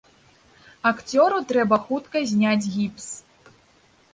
Акцёру трэба хутка зняць гіпс.